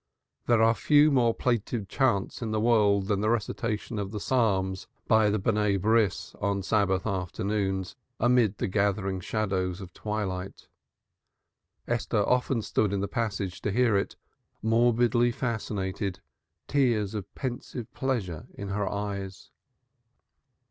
There are few more plaintive chants in the world than the recitation of the Psalms by the "Sons of the Covenant" on Sabbath afternoons amid the gathering shadows of twilight. Esther often stood in the passage to hear it, morbidly fascinated, tears of pensive pleasure in her eyes.